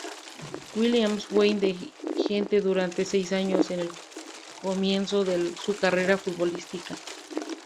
Williams fue indigente durante seis años, en el comienzo de su carrera futbolística.